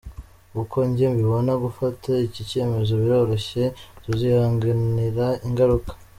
Uko njye mbibona, gufata iki cyemezo biroroshye, tuzihanganira ingaruka.